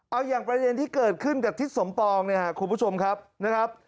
เอาอย่างประเด็นที่เกิดขึ้นกับทิศสมปองเนี่ยครับคุณผู้ชมครับนะครับ